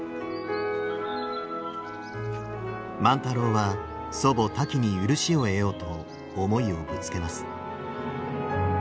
万太郎は祖母タキに許しを得ようと思いをぶつけます。